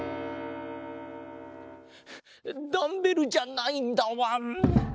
ダンベルじゃないんだわん。